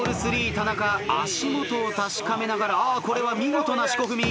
足元を確かめながらこれは見事な四股踏み。